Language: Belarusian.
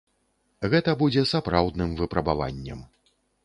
Гэта будзе сапраўдным выпрабаваннем.